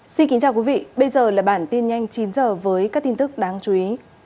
xin kính chào quý vị bây giờ là bản tin nhanh chín h với các tin tức đáng chú ý